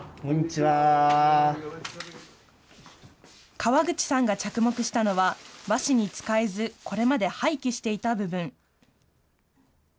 川口さんが着目したのは、和紙に使えず、これまで廃棄していた部分。